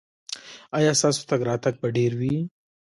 ایا ستاسو تګ راتګ به ډیر وي؟